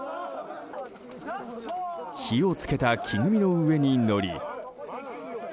火を付けた木組みの上に乗り。